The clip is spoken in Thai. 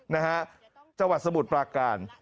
นะฮะจังหวัดสมุทรปราการ